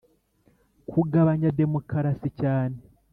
kugabanya demokarasi cyane.